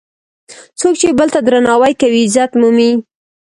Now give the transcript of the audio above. څوک چې بل ته درناوی کوي، عزت مومي.